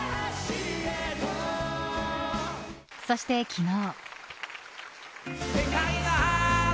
そして、昨日。